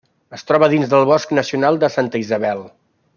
Es troba dins del bosc nacional de Santa Isabel.